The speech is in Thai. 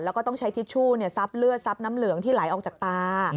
แล้วก็ต้องใช้ทิชชู่ซับเลือดซับน้ำเหลืองที่ไหลออกจากตา